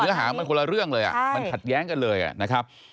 หามันคนละเรื่องเลยมันขัดแย้งกันเลยนะครับ